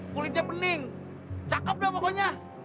kulitnya bening cakep ya pokoknya